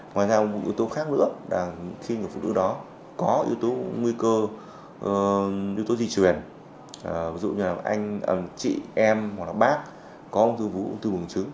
ngoài ra một ưu tố khác nữa là khi người phụ nữ đó có ưu tố di truyền ví dụ như chị em hoặc bác có ông thư vú ông thư bổng chứng